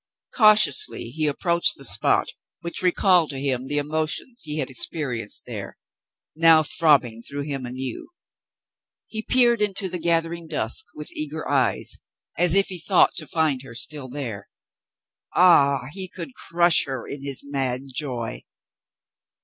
Cautiously he approached the spot which recalled to him the emotions he had ex perienced there — now throbbing through him anew. He peered into the gathering dusk with eager eyes as if he thought to find her still there. Ah, he could crush her in his mad joy